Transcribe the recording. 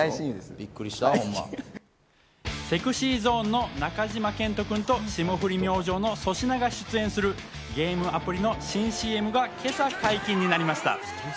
ＳｅｘｙＺｏｎｅの中島健人君と霜降り明星の粗品が出演するゲームアプリの新ＣＭが今朝解禁になりました。